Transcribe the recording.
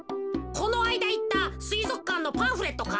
このあいだいったすいぞくかんのパンフレットか？